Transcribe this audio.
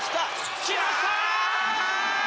来ました！